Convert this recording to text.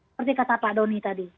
seperti kata pak doni tadi